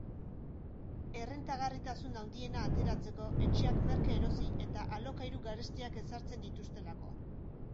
Errentagarritasun handiena ateratzeko, etxeak merke erosi eta alokairu garestiak ezartzen dituztelako.